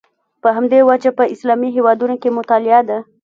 په همدې وجه په اسلامي هېوادونو کې مطالعه ده.